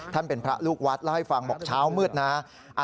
ท่านเป็นพระลูกวัดแล้วให้ฟังหมดเช้ามืดนะ